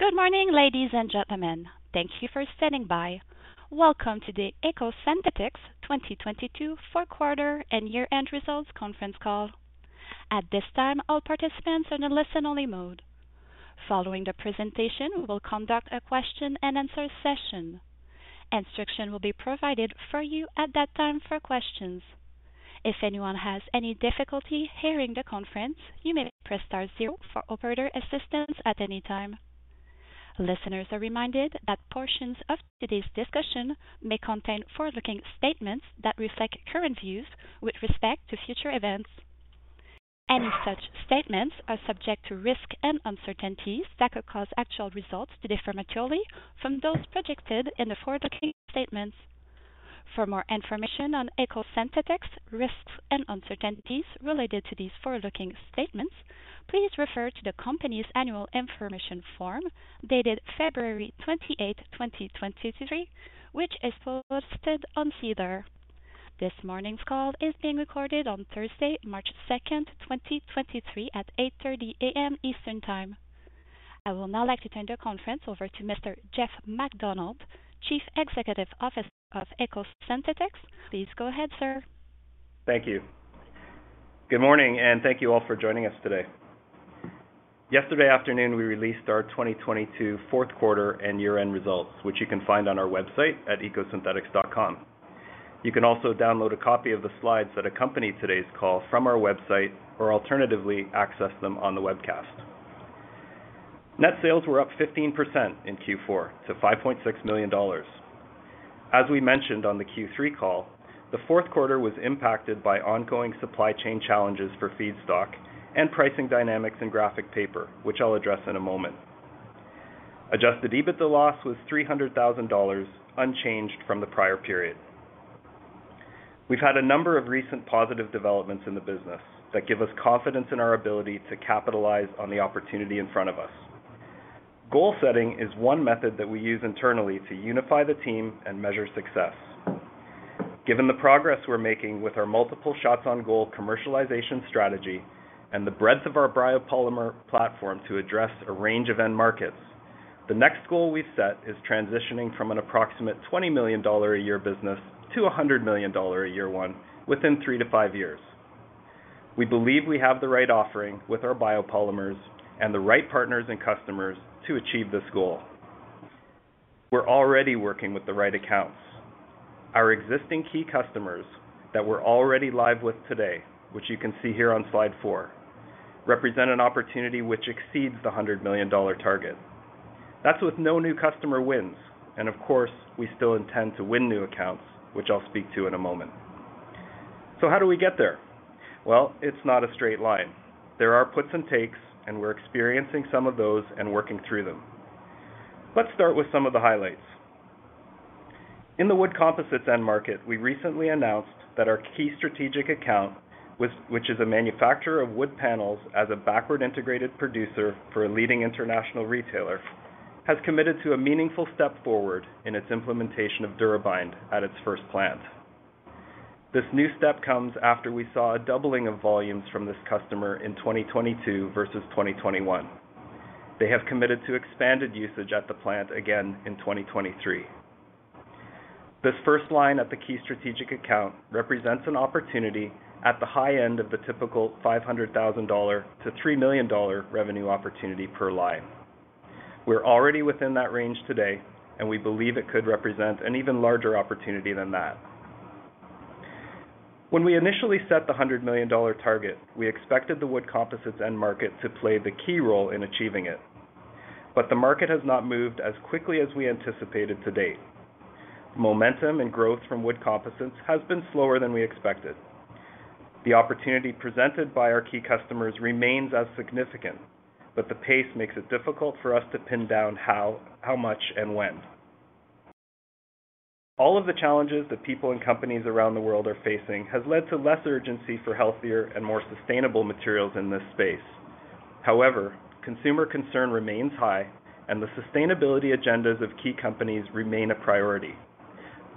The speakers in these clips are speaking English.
Good morning, ladies and gentlemen. Thank you for standing by. Welcome to the EcoSynthetix 2022 fourth quarter and year-end results conference call. At this time, all participants are in a listen-only mode. Following the presentation, we will conduct a question-and-answer session. Instruction will be provided for you at that time for questions. If anyone has any difficulty hearing the conference, you may press star zero for operator assistance at any time. Listeners are reminded that portions of today's discussion may contain forward-looking statements that reflect current views with respect to future events. Any such statements are subject to risks and uncertainties that could cause actual results to differ materially from those projected in the forward-looking statements. For more information on EcoSynthetix risks and uncertainties related to these forward-looking statements, please refer to the company's annual information form dated February 28th, 2023, which is posted on SEDAR. This morning's call is being recorded on Thursday, March second, 2023 at 8:30 A.M. Eastern Time. I will now like to turn the conference over to Mr. Jeff MacDonald, Chief Executive Officer of EcoSynthetix. Please go ahead, sir. Thank you. Good morning, thank you all for joining us today. Yesterday afternoon, we released our 2022 fourth quarter and year-end results, which you can find on our website at ecosynthetix.com. You can also download a copy of the slides that accompany today's call from our website or alternatively access them on the webcast. Net sales were up 15% in Q4 to $5.6 million. As we mentioned on the Q3 call, the fourth quarter was impacted by ongoing supply chain challenges for feedstock and pricing dynamics in graphic paper, which I'll address in a moment. Adjusted EBITDA loss was $300,000, unchanged from the prior period. We've had a number of recent positive developments in the business that give us confidence in our ability to capitalize on the opportunity in front of us. Goal setting is one method that we use internally to unify the team and measure success. Given the progress we're making with our multiple shots on goal commercialization strategy and the breadth of our biopolymer platform to address a range of end markets, the next goal we've set is transitioning from an approximate $20 million a year business to a $100 million a year one within three to five years. We believe we have the right offering with our biopolymers and the right partners and customers to achieve this goal. We're already working with the right accounts. Our existing key customers that we're already live with today, which you can see here on Slide 4, represent an opportunity which exceeds the $100 million target. That's with no new customer wins. Of course, we still intend to win new accounts, which I'll speak to in a moment. How do we get there? Well, it's not a straight line. There are puts and takes, and we're experiencing some of those and working through them. Let's start with some of the highlights. In the wood composites end market, we recently announced that our key strategic account, which is a manufacturer of wood panels as a backward integrated producer for a leading international retailer, has committed to a meaningful step forward in its implementation of DuraBind at its first plant. This new step comes after we saw a doubling of volumes from this customer in 2022 versus 2021. They have committed to expanded usage at the plant again in 2023. This first line at the key strategic account represents an opportunity at the high end of the typical $500,000-$3 million revenue opportunity per line. We're already within that range today, and we believe it could represent an even larger opportunity than that. When we initially set the 100 million dollar target, we expected the wood composites end market to play the key role in achieving it. The market has not moved as quickly as we anticipated to date. Momentum and growth from wood composites has been slower than we expected. The opportunity presented by our key customers remains as significant, but the pace makes it difficult for us to pin down how much and when. All of the challenges that people and companies around the world are facing has led to less urgency for healthier and more sustainable materials in this space. However, consumer concern remains high and the sustainability agendas of key companies remain a priority.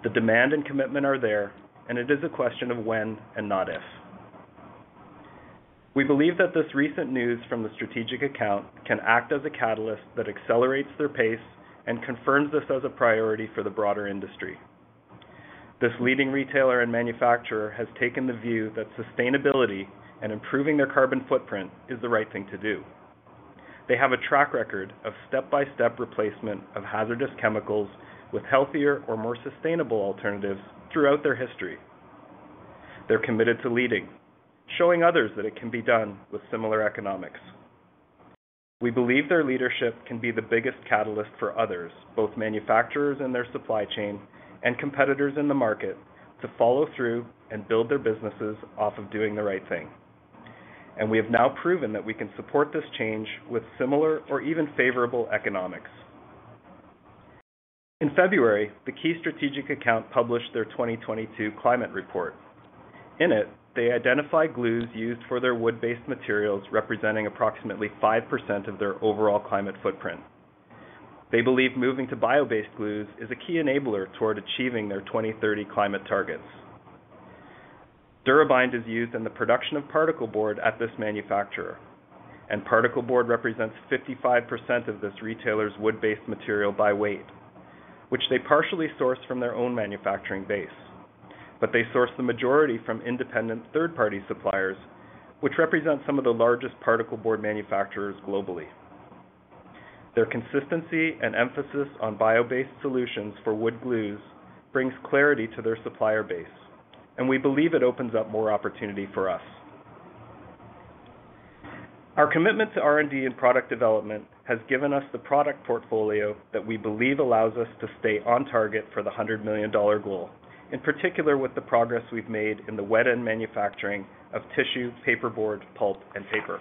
The demand and commitment are there, and it is a question of when and not if. We believe that this recent news from the strategic account can act as a catalyst that accelerates their pace and confirms this as a priority for the broader industry. This leading retailer and manufacturer has taken the view that sustainability and improving their carbon footprint is the right thing to do. They have a track record of step-by-step replacement of hazardous chemicals with healthier or more sustainable alternatives throughout their history. They're committed to leading, showing others that it can be done with similar economics. We believe their leadership can be the biggest catalyst for others, both manufacturers in their supply chain and competitors in the market, to follow through and build their businesses off of doing the right thing. We have now proven that we can support this change with similar or even favorable economics. In February, the key strategic account published their 2022 climate report. In it, they identify glues used for their wood-based materials, representing approximately 5% of their overall climate footprint. They believe moving to bio-based glues is a key enabler toward achieving their 2030 climate targets. DuraBind is used in the production of particleboard at this manufacturer, and particleboard represents 55% of this retailer's wood-based material by weight, which they partially source from their own manufacturing base. They source the majority from independent third-party suppliers, which represent some of the largest particleboard manufacturers globally. Their consistency and emphasis on bio-based solutions for wood glues brings clarity to their supplier base, and we believe it opens up more opportunity for us. Our commitment to R&D and product development has given us the product portfolio that we believe allows us to stay on target for the $100 million goal, in particular, with the progress we've made in the wet end manufacturing of tissue, paperboard, pulp, and paper.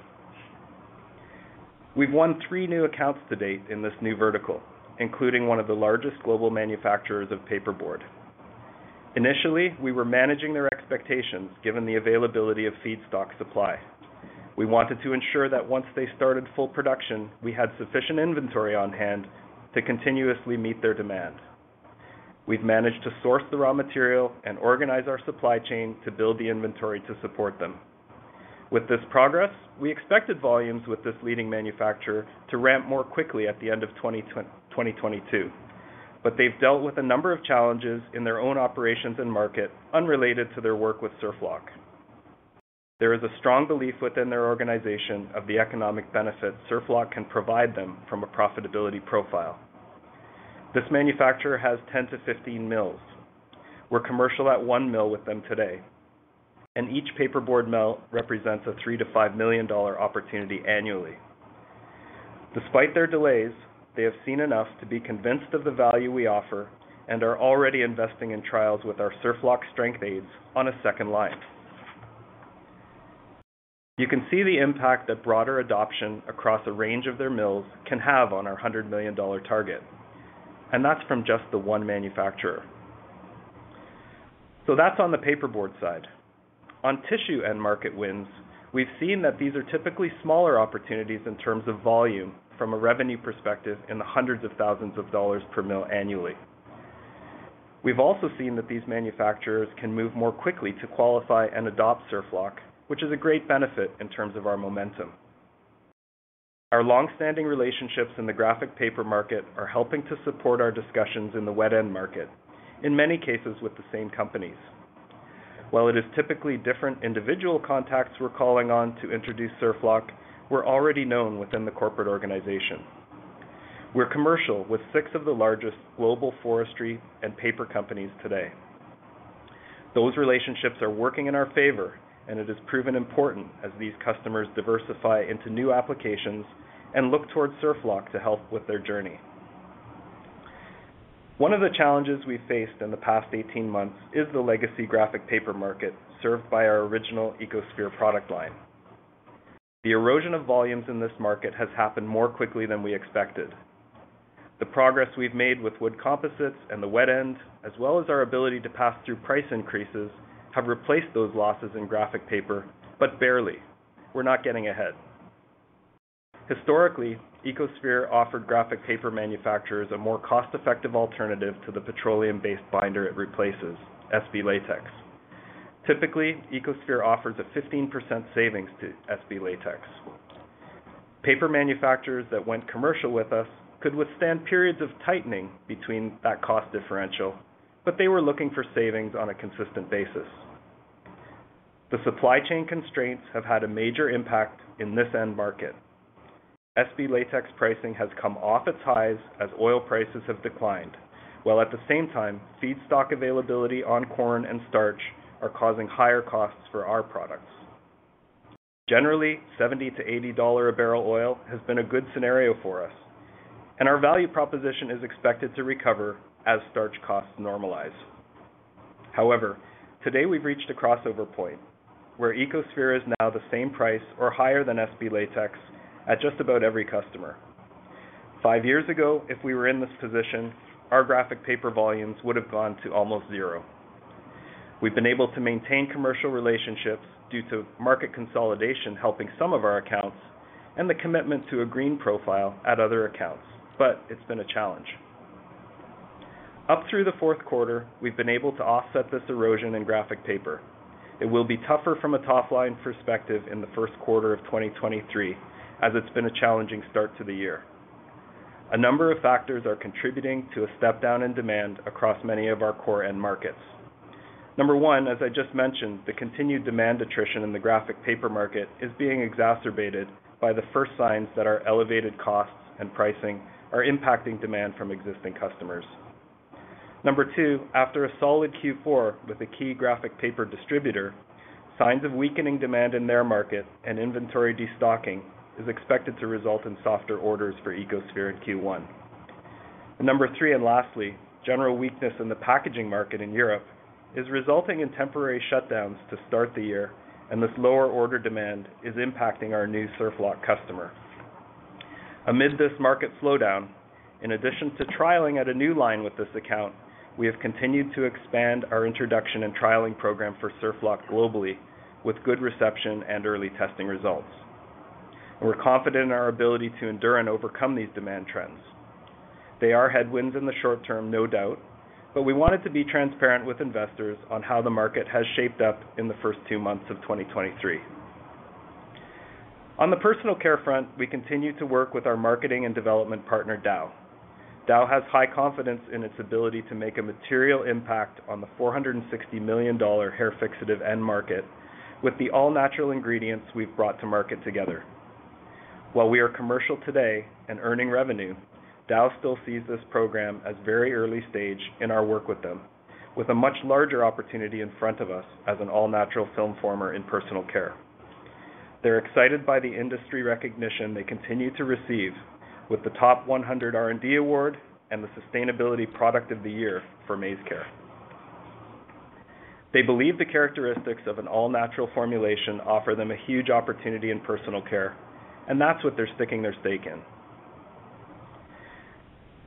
We've won three new accounts to date in this new vertical, including one of the largest global manufacturers of paperboard. Initially, we were managing their expectations, given the availability of feedstock supply. We wanted to ensure that once they started full production, we had sufficient inventory on hand to continuously meet their demand. We've managed to source the raw material and organize our supply chain to build the inventory to support them. With this progress, we expected volumes with this leading manufacturer to ramp more quickly at the end of 2022. They've dealt with a number of challenges in their own operations and market unrelated to their work with SurfLock. There is a strong belief within their organization of the economic benefit SurfLock can provide them from a profitability profile. This manufacturer has 10-15 mills. We're commercial at one mill with them today. Each paperboard mill represents a $3 million-$5 million opportunity annually. Despite their delays, they have seen enough to be convinced of the value we offer and are already investing in trials with our SurfLock strength aids on a second line. You can see the impact that broader adoption across a range of their mills can have on our $100 million target. That's from just the one manufacturer. That's on the paperboard side. On tissue end market wins, we've seen that these are typically smaller opportunities in terms of volume from a revenue perspective in the hundreds of thousands of dollars per mill annually. We've also seen that these manufacturers can move more quickly to qualify and adopt SurfLock, which is a great benefit in terms of our momentum. Our long-standing relationships in the graphic paper market are helping to support our discussions in the wet end market, in many cases with the same companies. It is typically different individual contacts we're calling on to introduce SurfLock, we're already known within the corporate organization. We're commercial with six of the largest global forestry and paper companies today. Those relationships are working in our favor, and it has proven important as these customers diversify into new applications and look towards SurfLock to help with their journey. One of the challenges we faced in the past 18 months is the legacy graphic paper market served by our original EcoSphere product line. The erosion of volumes in this market has happened more quickly than we expected. The progress we've made with wood composites and the wet end, as well as our ability to pass through price increases, have replaced those losses in graphic paper, but barely. We're not getting ahead. Historically, EcoSphere offered graphic paper manufacturers a more cost-effective alternative to the petroleum-based binder it replaces, SB latex. Typically, EcoSphere offers a 15% savings to SB latex. Paper manufacturers that went commercial with us could withstand periods of tightening between that cost differential, but they were looking for savings on a consistent basis. The supply chain constraints have had a major impact in this end market. SB latex pricing has come off its highs as oil prices have declined, while at the same time, feedstock availability on corn and starch are causing higher costs for our products. Generally, $70-$80 a barrel oil has been a good scenario for us, and our value proposition is expected to recover as starch costs normalize. However, today we've reached a crossover point where EcoSphere is now the same price or higher than SB latex at just about every customer. Five years ago, if we were in this position, our graphic paper volumes would have gone to almost 0. We've been able to maintain commercial relationships due to market consolidation helping some of our accounts and the commitment to a green profile at other accounts, but it's been a challenge. Up through the fourth quarter, we've been able to offset this erosion in graphic paper. It will be tougher from a top-line perspective in the first quarter of 2023, as it's been a challenging start to the year. A number of factors are contributing to a step down in demand across many of our core end markets. Number one, as I just mentioned, the continued demand attrition in the graphic paper market is being exacerbated by the 1st signs that our elevated costs and pricing are impacting demand from existing customers. Number two, after a solid Q4 with a key graphic paper distributor, signs of weakening demand in their market and inventory destocking is expected to result in softer orders for EcoSphere in Q1. Number three and lastly, general weakness in the packaging market in Europe is resulting in temporary shutdowns to start the year, and this lower order demand is impacting our new SurfLock customer. Amid this market slowdown, in addition to trialing at a new line with this account, we have continued to expand our introduction and trialing program for SurfLock globally with good reception and early testing results. We're confident in our ability to endure and overcome these demand trends. They are headwinds in the short term, no doubt, but we wanted to be transparent with investors on how the market has shaped up in the first two months of 2023. On the personal care front, we continue to work with our marketing and development partner, Dow. Dow has high confidence in its ability to make a material impact on the $460 million hair fixative end market with the all-natural ingredients we've brought to market together. While we are commercial today and earning revenue, Dow still sees this program as very early stage in our work with them, with a much larger opportunity in front of us as an all-natural film former in personal care. They're excited by the industry recognition they continue to receive with the Top One Hundred R&D Award and the Sustainability Product of the Year for MaizeCare. They believe the characteristics of an all-natural formulation offer them a huge opportunity in personal care, and that's what they're sticking their stake in.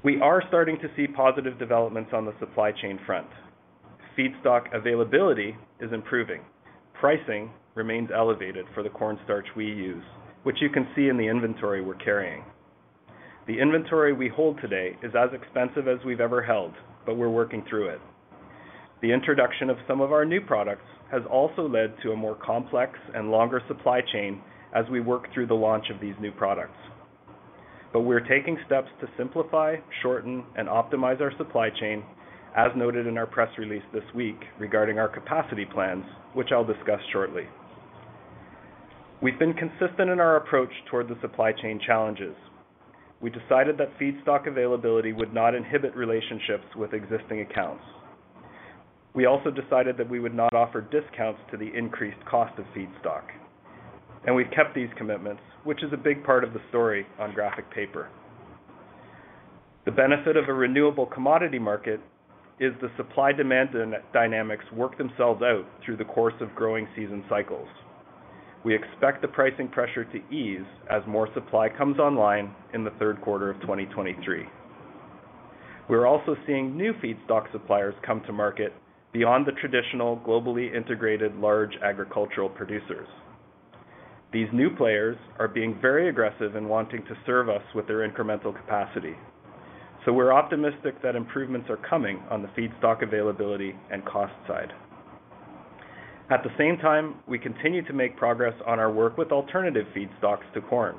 We are starting to see positive developments on the supply chain front. Feedstock availability is improving. Pricing remains elevated for the corn starch we use, which you can see in the inventory we're carrying. The inventory we hold today is as expensive as we've ever held, but we're working through it. The introduction of some of our new products has also led to a more complex and longer supply chain as we work through the launch of these new products. We're taking steps to simplify, shorten, and optimize our supply chain, as noted in our press release this week regarding our capacity plans, which I'll discuss shortly. We've been consistent in our approach toward the supply chain challenges. We decided that feedstock availability would not inhibit relationships with existing accounts. We also decided that we would not offer discounts to the increased cost of feedstock. We've kept these commitments, which is a big part of the story on graphic paper. The benefit of a renewable commodity market is the supply-demand dynamics work themselves out through the course of growing season cycles. We expect the pricing pressure to ease as more supply comes online in the 3rd quarter of 2023. We're also seeing new feedstock suppliers come to market beyond the traditional globally integrated large agricultural producers. These new players are being very aggressive in wanting to serve us with their incremental capacity. We're optimistic that improvements are coming on the feedstock availability and cost side. At the same time, we continue to make progress on our work with alternative feedstocks to corn.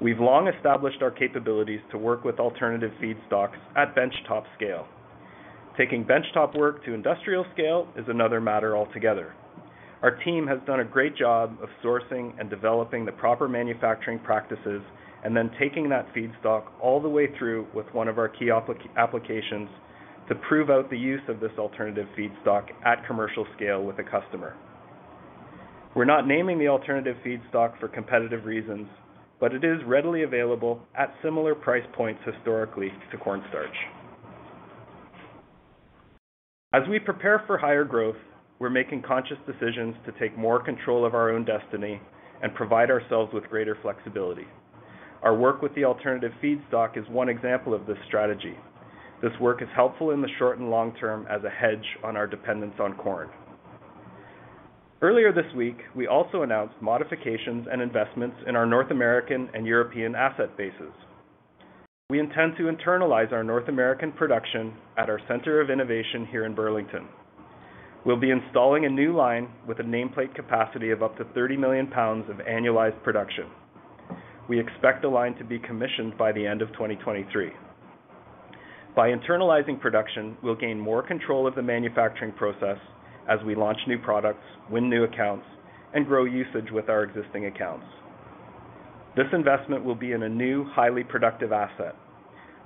We've long established our capabilities to work with alternative feedstocks at benchtop scale. Taking benchtop work to industrial scale is another matter altogether. Our team has done a great job of sourcing and developing the proper manufacturing practices and then taking that feedstock all the way through with one of our key applications to prove out the use of this alternative feedstock at commercial scale with a customer. We're not naming the alternative feedstock for competitive reasons, but it is readily available at similar price points historically to corn starch. As we prepare for higher growth, we're making conscious decisions to take more control of our own destiny and provide ourselves with greater flexibility. Our work with the alternative feedstock is one example of this strategy. This work is helpful in the short and long term as a hedge on our dependence on corn. Earlier this week, we also announced modifications and investments in our North American and European asset bases. We intend to internalize our North American production at our Center of Innovation here in Burlington. We'll be installing a new line with a nameplate capacity of up to 30 million pounds of annualized production. We expect the line to be commissioned by the end of 2023. By internalizing production, we'll gain more control of the manufacturing process as we launch new products, win new accounts, and grow usage with our existing accounts. This investment will be in a new, highly productive asset.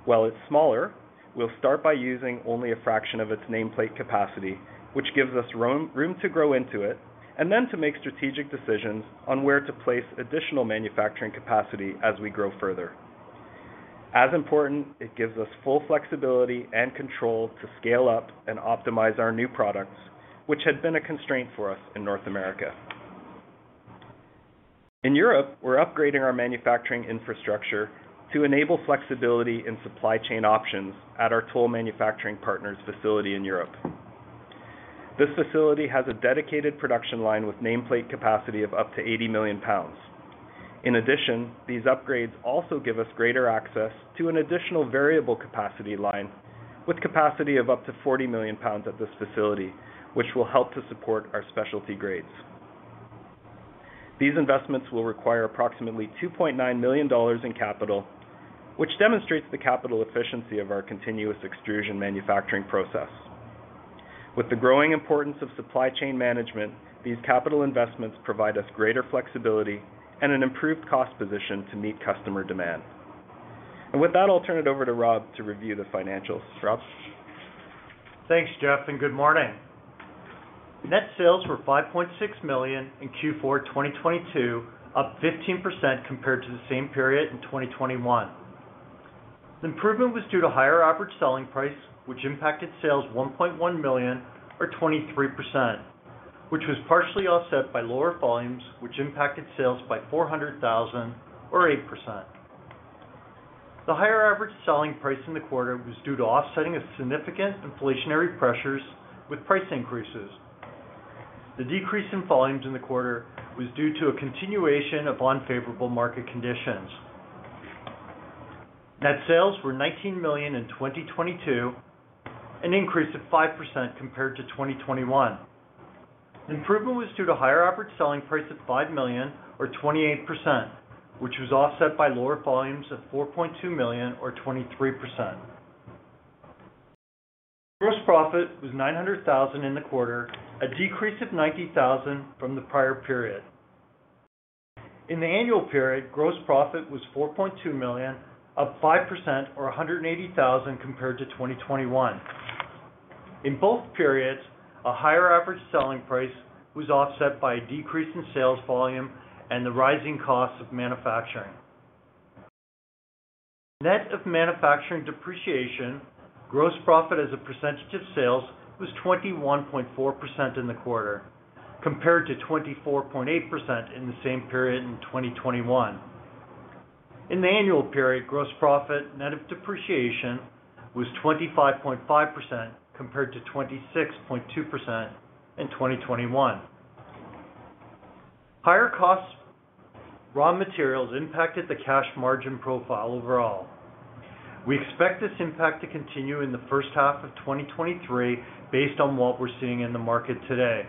While it's smaller, we'll start by using only a fraction of its nameplate capacity, which gives us room to grow into it and then to make strategic decisions on where to place additional manufacturing capacity as we grow further. As important, it gives us full flexibility and control to scale up and optimize our new products, which had been a constraint for us in North America. In Europe, we're upgrading our manufacturing infrastructure to enable flexibility in supply chain options at our toll manufacturing partner's facility in Europe. This facility has a dedicated production line with nameplate capacity of up to 80 million pounds. In addition, these upgrades also give us greater access to an additional variable capacity line with capacity of up to 40 million pounds at this facility, which will help to support our specialty grades. These investments will require approximately $2.9 million in capital, which demonstrates the capital efficiency of our continuous extrusion manufacturing process. With the growing importance of supply chain management, these capital investments provide us greater flexibility and an improved cost position to meet customer demand. With that, I'll turn it over to Rob to review the financials. Rob? Thanks, Jeff. Good morning. Net sales were $5.6 million in Q4 2022, up 15% compared to the same period in 2021. The improvement was due to higher average selling price, which impacted sales $1.1 million or 23%, which was partially offset by lower volumes, which impacted sales by $400,000 or 8%. The higher average selling price in the quarter was due to offsetting a significant inflationary pressures with price increases. The decrease in volumes in the quarter was due to a continuation of unfavorable market conditions. Net sales were $19 million in 2022, an increase of 5% compared to 2021. Improvement was due to higher average selling price of $5 million or 28%, which was offset by lower volumes of $4.2 million or 23%. Gross profit was 900,000 in the quarter, a decrease of 90,000 from the prior period. In the annual period, gross profit was 4.2 million, up 5% or 180,000 compared to 2021. In both periods, a higher average selling price was offset by a decrease in sales volume and the rising cost of manufacturing. Net of manufacturing depreciation, gross profit as a percentage of sales was 21.4% in the quarter, compared to 24.8% in the same period in 2021. In the annual period, gross profit net of depreciation was 25.5% compared to 26.2% in 2021. Higher costs raw materials impacted the cash margin profile overall. We expect this impact to continue in the first half of 2023 based on what we're seeing in the market today.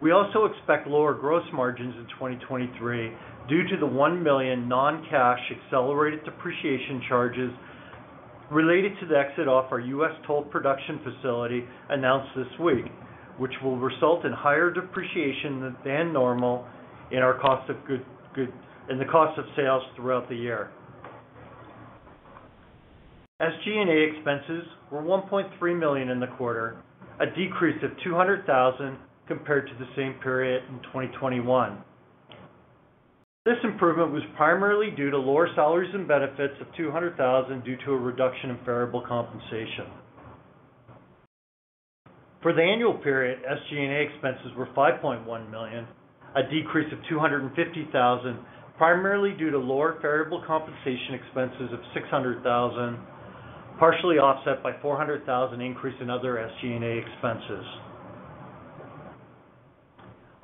We also expect lower gross margins in 2023 due to the 1 million non-cash accelerated depreciation charges related to the exit of our US toll production facility announced this week, which will result in higher depreciation than normal in our cost of sales throughout the year. SG&A expenses were 1.3 million in the quarter, a decrease of 200 thousand compared to the same period in 2021. This improvement was primarily due to lower salaries and benefits of 200 thousand due to a reduction in variable compensation. For the annual period, SG&A expenses were 5.1 million, a decrease of 250 thousand, primarily due to lower variable compensation expenses of 600 thousand, partially offset by 400 thousand increase in other SG&A expenses.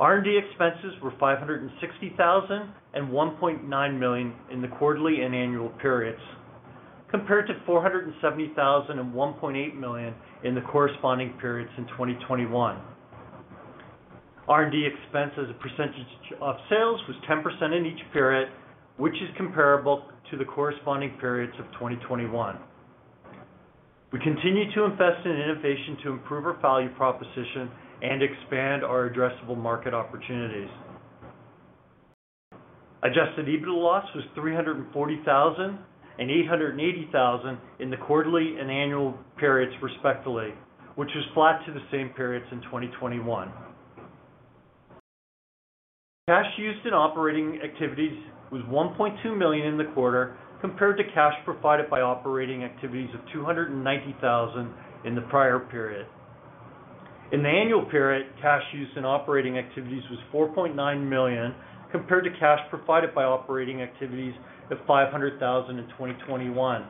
R&D expenses were 560,000 and 1.9 million in the quarterly and annual periods, compared to 470,000 and 1.8 million in the corresponding periods in 2021. R&D expense as a percentage of sales was 10% in each period, which is comparable to the corresponding periods of 2021. We continue to invest in innovation to improve our value proposition and expand our addressable market opportunities. Adjusted EBITDA loss was 340,000 and 880,000 in the quarterly and annual periods, respectively, which was flat to the same periods in 2021. Cash used in operating activities was 1.2 million in the quarter compared to cash provided by operating activities of 290,000 in the prior period. In the annual period, cash use in operating activities was 4.9 million, compared to cash provided by operating activities of 500,000 in 2021.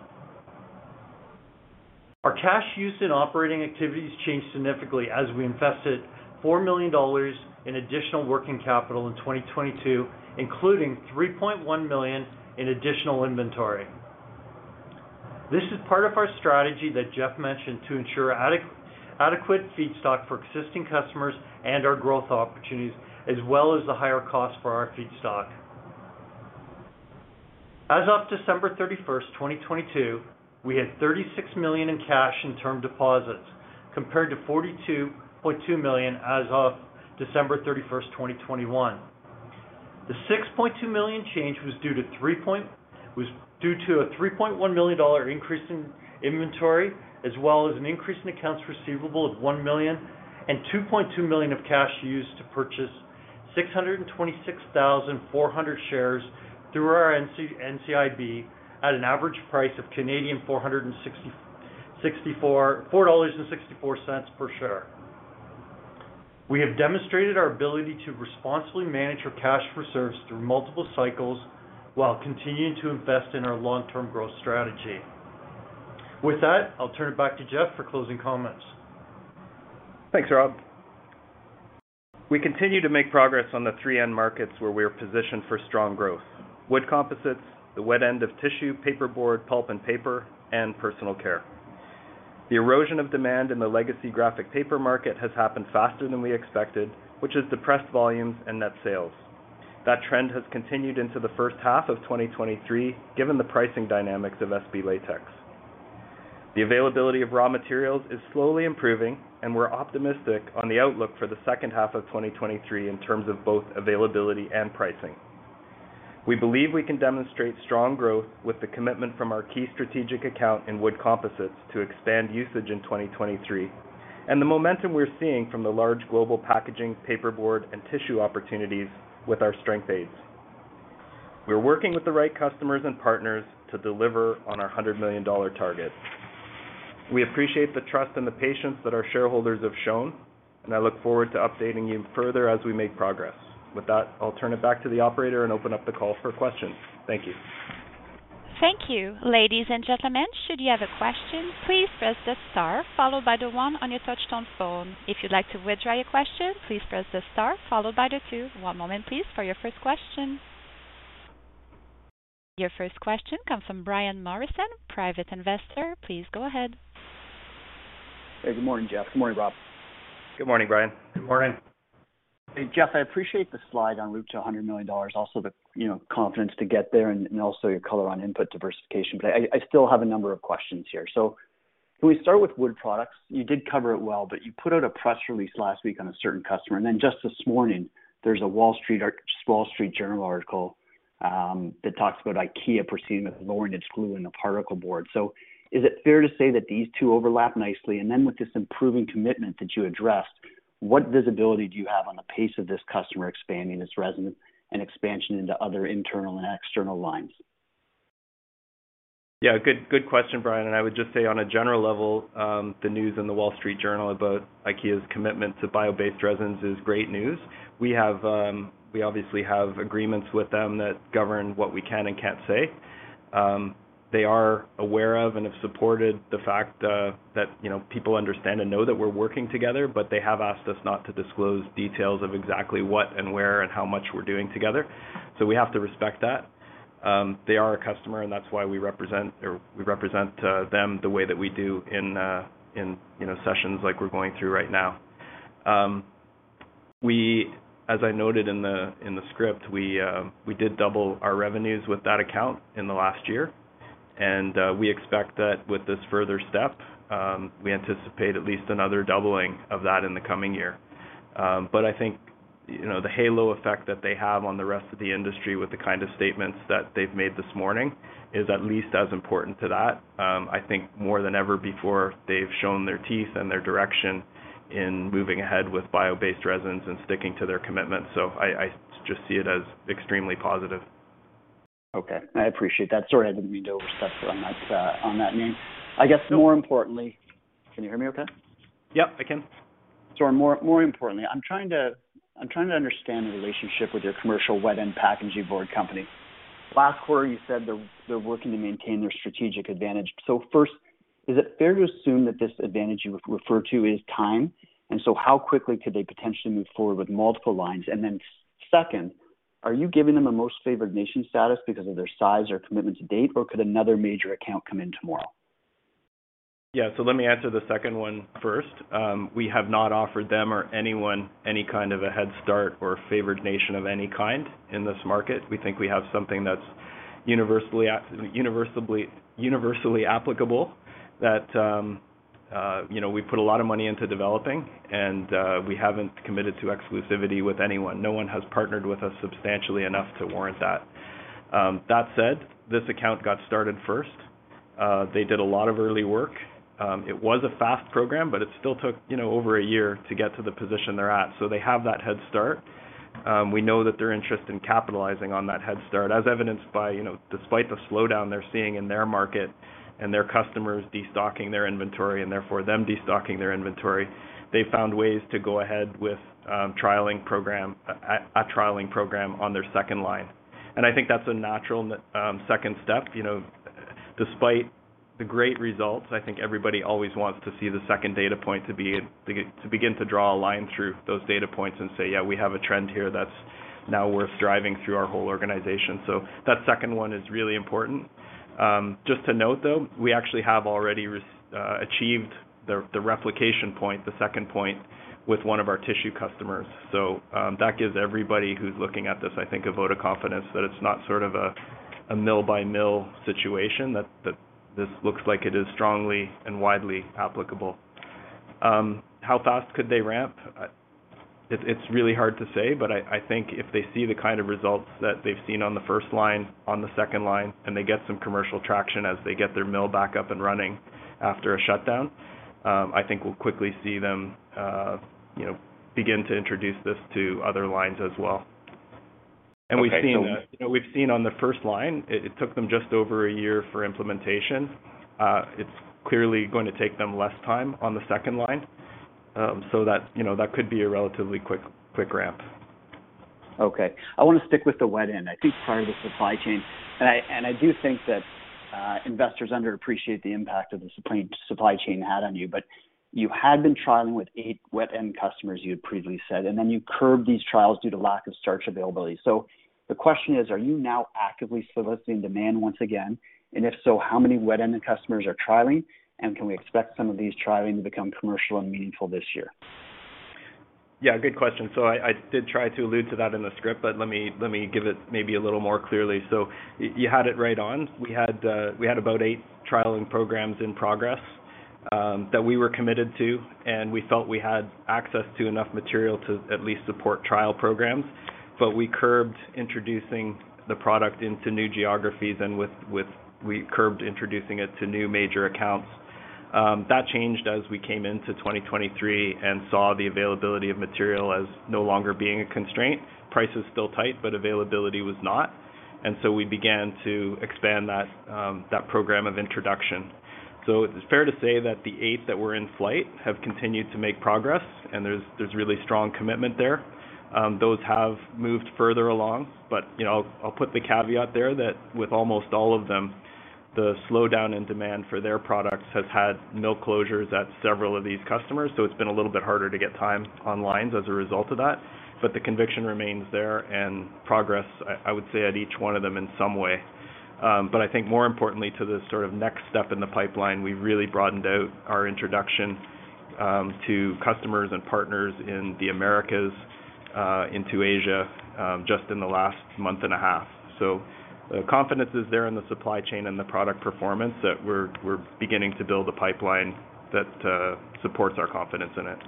Our cash use in operating activities changed significantly as we invested 4 million dollars in additional working capital in 2022, including 3.1 million in additional inventory. This is part of our strategy that Jeff mentioned to ensure adequate feedstock for existing customers and our growth opportunities, as well as the higher cost for our feedstock. As of December 31st, 2022, we had 36 million in cash and term deposits, compared to 42.2 million as of December 31st, 2021. The 6.2 million change was due to three point was due to a $3.1 million increase in inventory, as well as an increase in accounts receivable of $1 million and $2.2 million of cash used to purchase 626,400 shares through our NCIB at an average price of 4.64 Canadian dollars per share. We have demonstrated our ability to responsibly manage our cash reserves through multiple cycles while continuing to invest in our long-term growth strategy. With that, I'll turn it back to Jeff for closing comments. Thanks, Rob. We continue to make progress on the three end markets where we are positioned for strong growth: wood composites, the wet end of tissue, paperboard, pulp and paper, and personal care. The erosion of demand in the legacy graphic paper market has happened faster than we expected, which has depressed volumes and net sales. That trend has continued into the first half of 2023, given the pricing dynamics of SB latex. The availability of raw materials is slowly improving, and we're optimistic on the outlook for the second half of 2023 in terms of both availability and pricing. We believe we can demonstrate strong growth with the commitment from our key strategic account in wood composites to expand usage in 2023, and the momentum we're seeing from the large global packaging, paperboard, and tissue opportunities with our strength aids. We're working with the right customers and partners to deliver on our 100 million dollar target. We appreciate the trust and the patience that our shareholders have shown, and I look forward to updating you further as we make progress. With that, I'll turn it back to the operator and open up the call for questions. Thank you. Thank you. Ladies and gentlemen, should you have a question, please press the star followed by the one on your touch-tone phone. If you'd like to withdraw your question, please press the star followed by the two. One moment please for your first question. Your first question comes from Brian Morrison, Private Investor. Please go ahead. Hey, Good morning, Jeff. Good morning, Rob. Good morning, Brian. Good morning. Hey, Jeff, I appreciate the slide on route to 100 million dollars, also the, you know, confidence to get there and also your color on input diversification. I still have a number of questions here. Can we start with wood products? You did cover it well, but you put out a press release last week on a certain customer, and just this morning there's a Wall Street Journal article that talks about IKEA proceeding with lowering its glue in the particleboard. Is it fair to say that these two overlap nicely? With this improving commitment that you addressed, what visibility do you have on the pace of this customer expanding its resonance and expansion into other internal and external lines? Yeah. Good question, Brian. I would just say on a general level, the news in The Wall Street Journal about IKEA's commitment to bio-based resins is great news. We have, we obviously have agreements with them that govern what we can and can't say. They are aware of and have supported the fact that, you know, people understand and know that we're working together, but they have asked us not to disclose details of exactly what and where and how much we're doing together. We have to respect that. They are a customer and that's why we represent them the way that we do in, you know, sessions like we're going through right now. We, as I noted in the script, we did double our revenues with that account in the last year. We expect that with this further step, we anticipate at least another doubling of that in the coming year. I think, you know, the halo effect that they have on the rest of the industry with the kind of statements that they've made this morning is at least as important to that. I think more than ever before they've shown their teeth and their direction in moving ahead with bio-based resins and sticking to their commitments. I just see it as extremely positive. Okay. I appreciate that. Sorry, I didn't mean to overstep on that, on that name. I guess more importantly. Can you hear me okay? Yep, I can. Sorry. More importantly, I'm trying to understand the relationship with your commercial wet end packaging board company. Last quarter you said they're working to maintain their strategic advantage. First, is it fair to assume that this advantage you refer to is time? How quickly could they potentially move forward with multiple lines? Second, are you giving them a most favored nation status because of their size or commitment to date, or could another major account come in tomorrow? Yeah. Let me answer the second one first. We have not offered them or anyone any kind of a head start or favored nation of any kind in this market. We think we have something that's universally applicable that, you know, we put a lot of money into developing and we haven't committed to exclusivity with anyone. No one has partnered with us substantially enough to warrant that. That said, this account got started first. They did a lot of early work. It was a fast program, but it still took, you know, over a year to get to the position they're at. They have that head start. We know that their interest in capitalizing on that head start as evidenced by, you know, despite the slowdown they're seeing in their market and their customers destocking their inventory and therefore them destocking their inventory, they found ways to go ahead with a trialing program on their second line. I think that's a natural second step, you know. Despite the great results, I think everybody always wants to see the second data point to begin to draw a line through those data points and say, "Yeah, we have a trend here that's now worth driving through our whole organization." That second one is really important. Just to note though, we actually have already achieved the replication point, the second point with one of our tissue customers. That gives everybody who's looking at this, I think, a vote of confidence that it's not sort of a mill-by-mill situation, that this looks like it is strongly and widely applicable. How fast could they ramp? It's really hard to say, but I think if they see the kind of results that they've seen on the first line on the second line, and they get some commercial traction as they get their mill back up and running after a shutdown, I think we'll quickly see them, you know, begin to introduce this to other lines as well. Okay. We've seen, you know, we've seen on the first line, it took them just over a year for implementation. It's clearly going to take them less time on the second line. That, you know, that could be a relatively quick ramp. Okay. I wanna stick with the wet end. I think part of the supply chain, and I do think that investors underappreciate the impact of the supply chain had on you. You had been trialing with eight wet end customers you had previously said, and then you curbed these trials due to lack of starch availability. The question is, are you now actively soliciting demand once again? If so, how many wet end customers are trialing? Can we expect some of these trialing to become commercial and meaningful this year? Yeah, good question. I did try to allude to that in the script, but let me give it maybe a little more clearly. You had it right on. We had about eight trialing programs in progress that we were committed to, and we felt we had access to enough material to at least support trial programs, but we curbed introducing the product into new geographies and with we curbed introducing it to new major accounts. That changed as we came into 2023 and saw the availability of material as no longer being a constraint. Price is still tight, but availability was not. We began to expand that program of introduction. It's fair to say that the eight that were in flight have continued to make progress, and there's really strong commitment there. Those have moved further along. You know, I'll put the caveat there that with almost all of them, the slowdown in demand for their products has had mill closures at several of these customers, so it's been a little bit harder to get time on lines as a result of that. The conviction remains there and progress, I would say at each one of them in some way. I think more importantly to the sort of next step in the pipeline, we really broadened out our introduction to customers and partners in the Americas, into Asia, just in the last month and a half. The confidence is there in the supply chain and the product performance that we're beginning to build a pipeline that supports our confidence in it.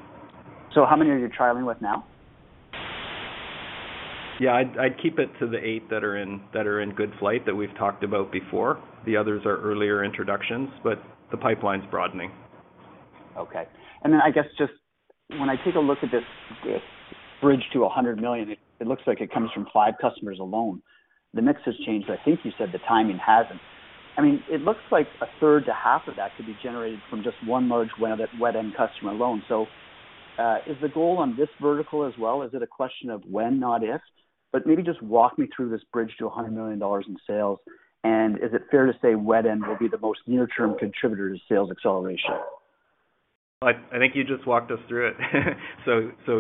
How many are you trialing with now? I'd keep it to the eight that are in, that are in good flight that we've talked about before. The others are earlier introductions, but the pipeline's broadening. Okay. I guess just when I take a look at this bridge to $100 million, it looks like it comes from five customers alone. The mix has changed. I think you said the timing hasn't. I mean, it looks like a third to half of that could be generated from just one large wet end customer alone. Is the goal on this vertical as well? Is it a question of when, not if? Maybe just walk me through this bridge to $100 million in sales. Is it fair to say wet end will be the most near-term contributor to sales acceleration? I think you just walked us through it.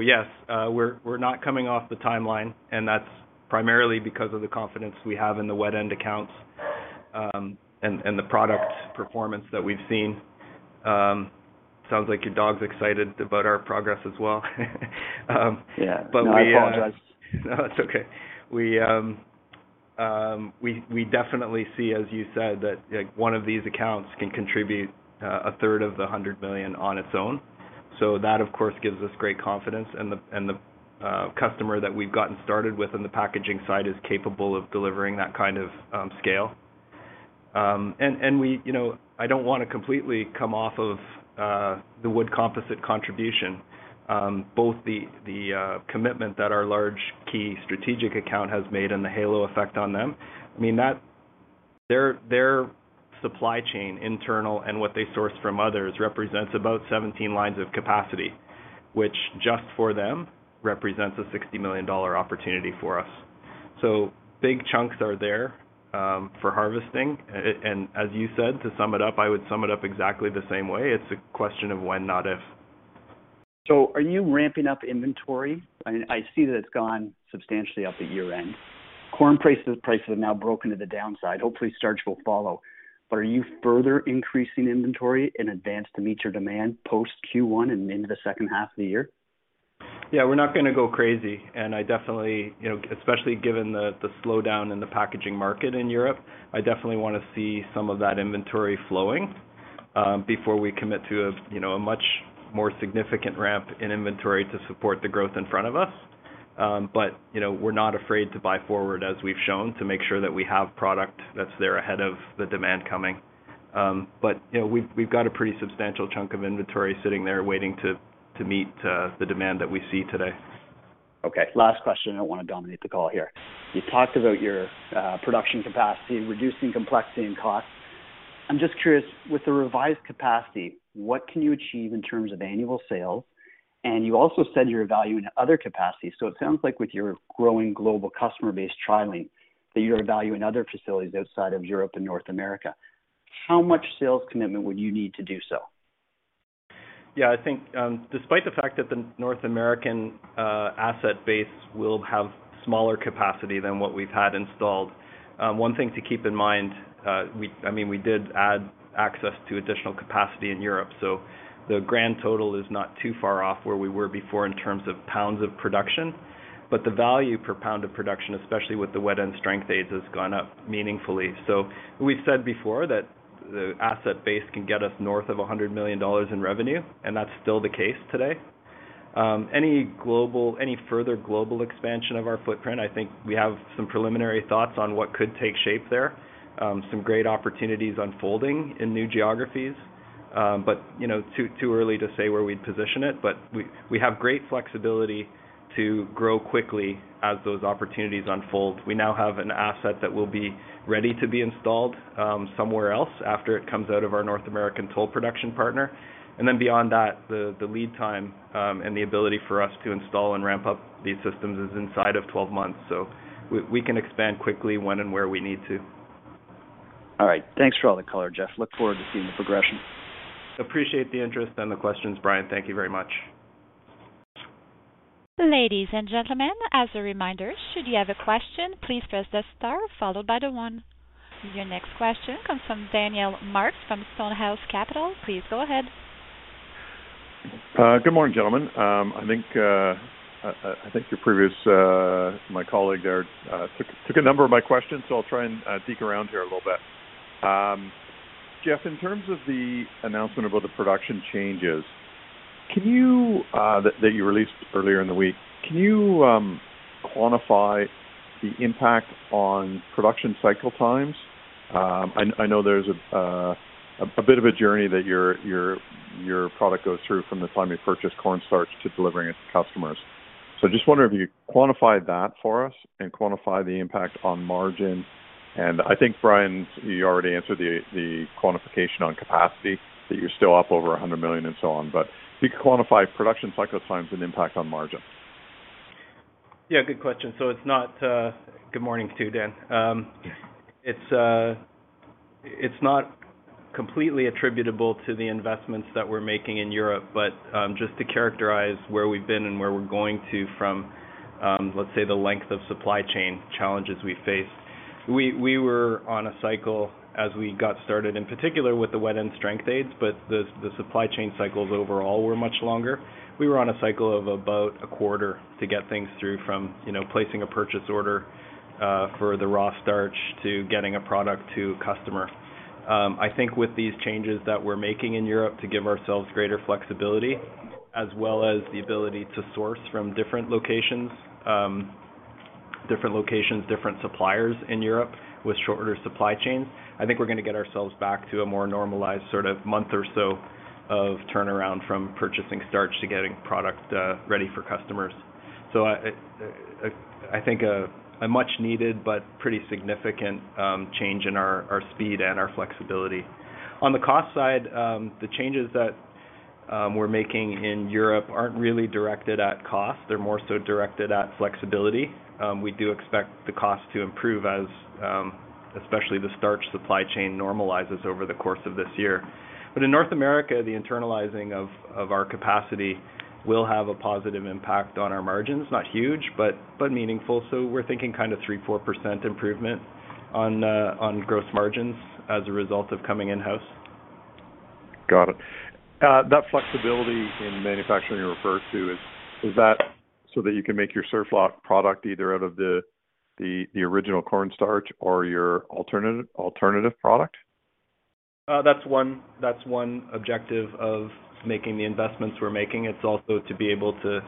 Yes, we're not coming off the timeline, and that's primarily because of the confidence we have in the wet end accounts, and the product performance that we've seen. Sounds like your dog's excited about our progress as well. We. Yeah. No, I apologize. No, it's okay. We definitely see, as you said, that, like, one of these accounts can contribute a third of the $100 million on its own. That, of course, gives us great confidence. The customer that we've gotten started with on the packaging side is capable of delivering that kind of scale. You know, I don't wanna completely come off of the wood composite contribution, both the commitment that our large key strategic account has made and the halo effect on them. Their supply chain internal and what they source from others represents about 17 lines of capacity, which just for them represents a $60 million opportunity for us. Big chunks are there for harvesting. As you said, to sum it up, I would sum it up exactly the same way. It's a question of when, not if. Are you ramping up inventory? I mean, I see that it's gone substantially up at year-end. Corn prices have now broken to the downside. Hopefully, starch will follow. Are you further increasing inventory in advance to meet your demand post Q1 and into the second half of the year? Yeah, we're not gonna go crazy. I definitely, you know, especially given the slowdown in the packaging market in Europe, I definitely wanna see some of that inventory flowing, before we commit to a, you know, much more significant ramp in inventory to support the growth in front of us. You know, we've got a pretty substantial chunk of inventory sitting there waiting to meet the demand that we see today. Okay. Last question. I don't wanna dominate the call here. You talked about your production capacity, reducing complexity and costs. I'm just curious, with the revised capacity, what can you achieve in terms of annual sales? You also said you're evaluating other capacities. It sounds like with your growing global customer base trialing that you're evaluating other facilities outside of Europe and North America. How much sales commitment would you need to do so? Yeah. I think, despite the fact that the North American asset base will have smaller capacity than what we've had installed, one thing to keep in mind, I mean, we did add access to additional capacity in Europe, so the grand total is not too far off where we were before in terms of pounds of production. The value per pound of production, especially with the wet end strength aids, has gone up meaningfully. We've said before that the asset base can get us north of $100 million in revenue, and that's still the case today. Any global, any further global expansion of our footprint, I think we have some preliminary thoughts on what could take shape there. Some great opportunities unfolding in new geographies. But, you know, it's too early to say where we'd position it. We have great flexibility to grow quickly as those opportunities unfold. We now have an asset that will be ready to be installed somewhere else after it comes out of our North American toll production partner. Beyond that, the lead time and the ability for us to install and ramp up these systems is inside of 12 months, we can expand quickly when and where we need to. All right. Thanks for all the color, Jeff. Look forward to seeing the progression. Appreciate the interest and the questions, Brian. Thank you very much. Ladies and gentlemen, as a reminder, should you have a question, please press the star followed by the one. Your next question comes from Daniel Marks from Stonehouse Capital. Please go ahead. Good morning, gentlemen. I think your previous my colleague there took a number of my questions, so I'll try and dig around here a little bit. Jeff, in terms of the announcement about the production changes, can you that you released earlier in the week, can you quantify the impact on production cycle times? I know there's a bit of a journey that your product goes through from the time you purchase cornstarch to delivering it to customers. Just wondering if you quantify that for us and quantify the impact on margin. I think, Brian, you already answered the quantification on capacity, that you're still up over 100 million and so on. If you could quantify production cycle times and impact on margin. Good question. It's not. Good morning to you, Daniel Marks. It's not completely attributable to the investments that we're making in Europe, but just to characterize where we've been and where we're going to from, let's say, the length of supply chain challenges we face. We were on a cycle as we got started, in particular, with the wet end strength aids, but the supply chain cycles overall were much longer. We were on a cycle of about a quarter to get things through from, you know, placing a purchase order for the raw starch to getting a product to customer. I think with these changes that we're making in Europe to give ourselves greater flexibility, as well as the ability to source from different locations, different suppliers in Europe with shorter supply chains, I think we're gonna get ourselves back to a more normalized sort of month or so of turnaround from purchasing starch to getting product ready for customers. I think a much needed but pretty significant change in our speed and our flexibility. On the cost side, the changes that we're making in Europe aren't really directed at cost. They're more so directed at flexibility. We do expect the cost to improve as especially the starch supply chain normalizes over the course of this year. In North America, the internalizing of our capacity will have a positive impact on our margins. Not huge, but meaningful. We're thinking kind of 3%-4% improvement on gross margins as a result of coming in-house. Got it. That flexibility in manufacturing you refer to, is that so that you can make your SurfLock product either out of the original cornstarch or your alternative product? That's one objective of making the investments we're making. It's also to be able to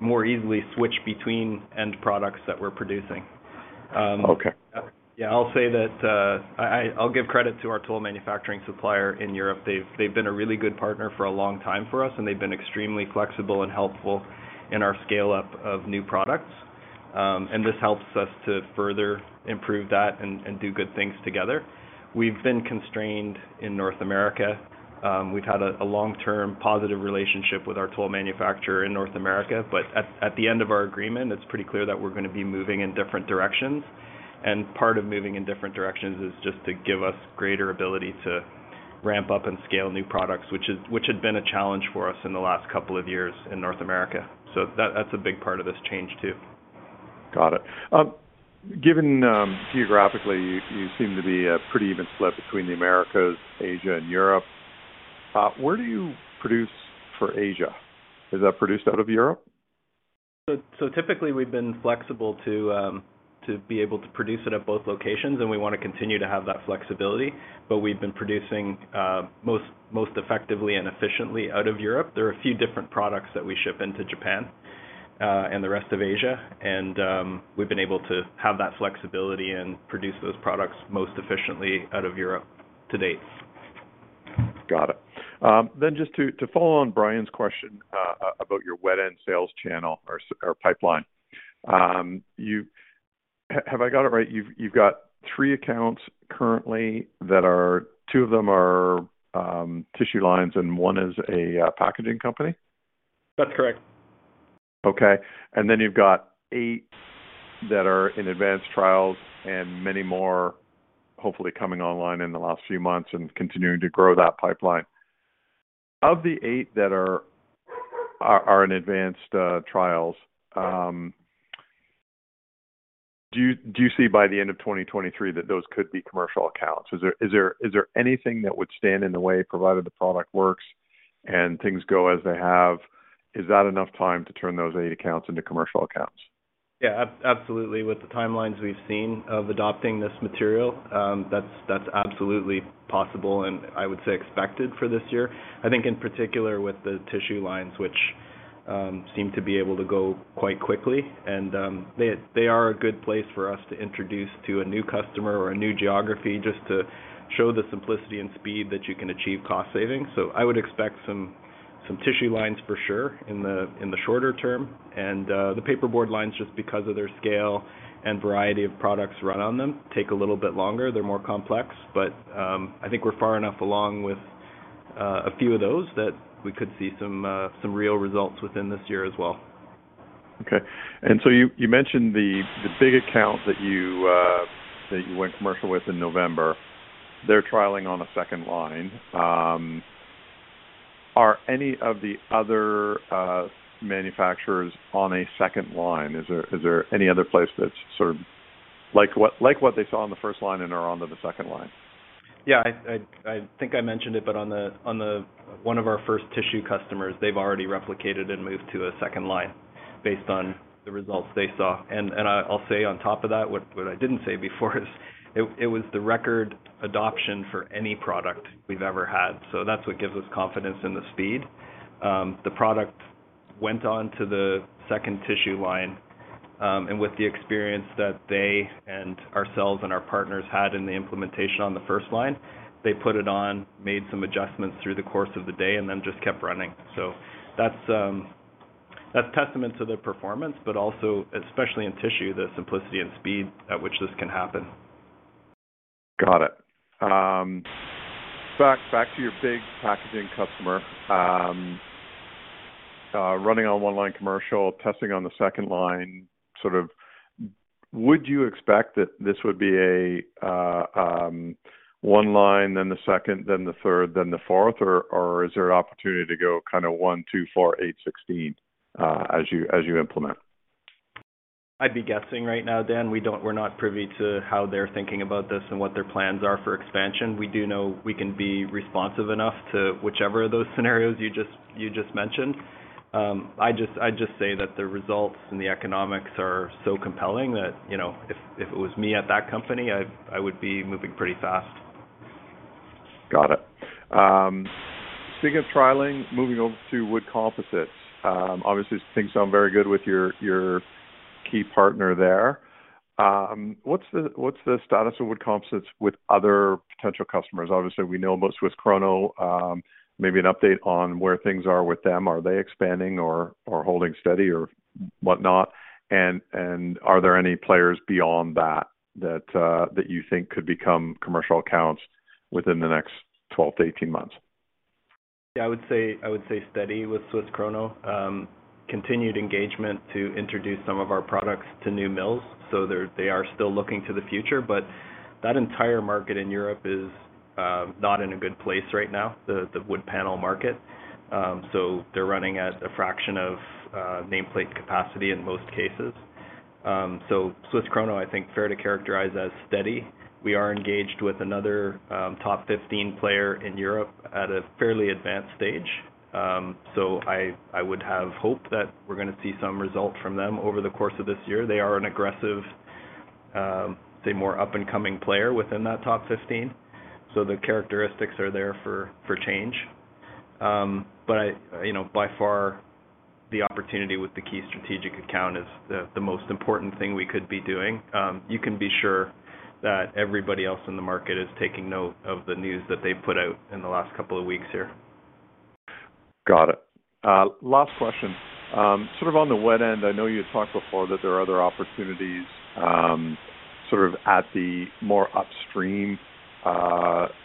more easily switch between end products that we're producing. Okay. Yeah, I'll say that, I'll give credit to our toll manufacturing supplier in Europe. They've been a really good partner for a long time for us, and they've been extremely flexible and helpful in our scale-up of new products. And this helps us to further improve that and do good things together. We've been constrained in North America. We've had a long-term positive relationship with our toll manufacturer in North America. At the end of our agreement, it's pretty clear that we're gonna be moving in different directions, and part of moving in different directions is just to give us greater ability to ramp up and scale new products, which had been a challenge for us in the last couple of years in North America. That's a big part of this change, too. Got it. Given, geographically, you seem to be pretty even split between the Americas, Asia and Europe. Where do you produce for Asia? Is that produced out of Europe? Typically we've been flexible to be able to produce it at both locations, and we wanna continue to have that flexibility, but we've been producing most effectively and efficiently out of Europe. There are a few different products that we ship into Japan, and the rest of Asia and we've been able to have that flexibility and produce those products most efficiently out of Europe to date. Got it. Just to follow on Brian's question, about your wet end sales channel or pipeline, have I got it right? You've got three accounts currently that are two of them are tissue lines and one is a packaging company? That's correct. Okay. Then you've got eight that are in advanced trials and many more hopefully coming online in the last few months and continuing to grow that pipeline. Of the eight that are in advanced trials, do you see by the end of 2023 that those could be commercial accounts? Is there anything that would stand in the way, provided the product works and things go as they have, is that enough time to turn those eight accounts into commercial accounts? Absolutely. With the timelines we've seen of adopting this material, that's absolutely possible, and I would say expected for this year. I think in particular with the tissue lines, which seem to be able to go quite quickly and they are a good place for us to introduce to a new customer or a new geography just to show the simplicity and speed that you can achieve cost savings. I would expect some tissue lines for sure in the shorter term. The paper board lines, just because of their scale and variety of products run on them, take a little bit longer. They're more complex. I think we're far enough along with a few of those that we could see some real results within this year as well. You mentioned the big account that you went commercial with in November. They're trialing on a second line. Are any of the other manufacturers on a second line? Is there any other place that's sort of like what they saw on the first line and are onto the second line? Yeah. I think I mentioned it. One of our first tissue customers, they've already replicated and moved to a second line based on the results they saw. I'll say on top of that, what I didn't say before is it was the record adoption for any product we've ever had. That's what gives us confidence in the speed. The product went on to the second tissue line. With the experience that they and ourselves and our partners had in the implementation on the first line, they put it on, made some adjustments through the course of the day, and then just kept running. That's testament to their performance, but also especially in tissue, the simplicity and speed at which this can happen. Got it. back to your big packaging customer, running on one line commercial, testing on the second line, sort of would you expect that this would be a one line, then the second, then the third, then the fourth, or is there an opportunity to go kinda one, two, four, eight, 16, as you implement? I'd be guessing right now, Dan. We're not privy to how they're thinking about this and what their plans are for expansion. We do know we can be responsive enough to whichever of those scenarios you just mentioned. I just say that the results and the economics are so compelling that, you know, if it was me at that company, I would be moving pretty fast. Got it. speaking of trialing, moving over to wood composites. obviously things sound very good with your key partner there. what's the, what's the status of wood composites with other potential customers? Obviously, we know about SWISS KRONO. maybe an update on where things are with them. Are they expanding or holding steady or whatnot? Are there any players beyond that, that you think could become commercial accounts within the next 12 to 18 months? Yeah, I would say steady with SWISS KRONO. Continued engagement to introduce some of our products to new mills. They are still looking to the future. That entire market in Europe is not in a good place right now, the wood panel market. They're running at a fraction of name-plate capacity in most cases. SWISS KRONO, I think fair to characterize as steady. We are engaged with another top 15 player in Europe at a fairly advanced stage. I would have hope that we're gonna see some results from them over the course of this year. They are an aggressive, say more up-and-coming player within that top 15. The characteristics are there for change. But you know, by far the opportunity with the key strategic account is the most important thing we could be doing. You can be sure that everybody else in the market is taking note of the news that they've put out in the last couple of weeks here. Got it. Last question. Sort of on the wet end, I know you had talked before that there are other opportunities, sort of at the more upstream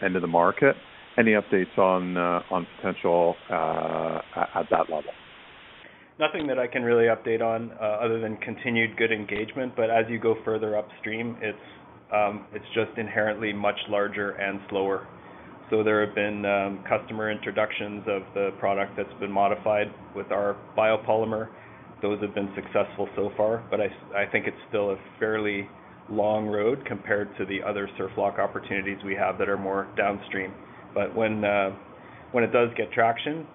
end of the market. Any updates on potential at that level? Nothing that I can really update on, other than continued good engagement, but as you go further upstream, it's just inherently much larger and slower. There have been customer introductions of the product that's been modified with our biopolymer. Those have been successful so far, but I think it's still a fairly long road compared to the other SurfLock opportunities we have that are more downstream. When it does get traction,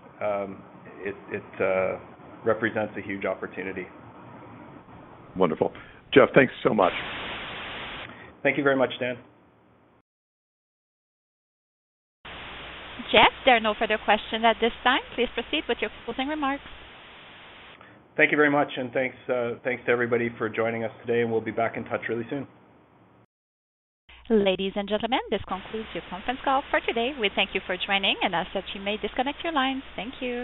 it represents a huge opportunity. Wonderful. Jeff. Thanks so much. Thank you very much, Dan. Jeff, there are no further questions at this time. Please proceed with your closing remarks. Thank you very much, and thanks to everybody for joining us today. We'll be back in touch really soon. Ladies and gentlemen, this concludes your conference call for today. We thank you for joining, and ask that you may disconnect your lines. Thank you.